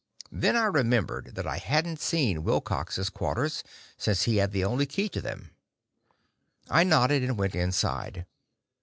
Then I remembered that I hadn't seen Wilcox's quarters, since he had the only key to them. I nodded and went inside.